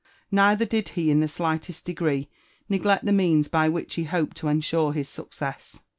Neither did he in the slightest degree neglect the means by which be hoped to ensure his success.